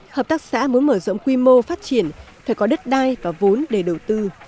hợp tác xã muốn mở rộng quy mô phát triển phải có đất đai và vốn để đầu tư